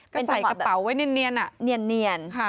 ก็ใส่กระเป๋าไว้เนียนอะเนียนค่ะ